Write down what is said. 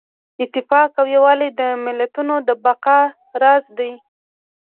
اتفاق او یووالی د ملتونو د بقا راز دی.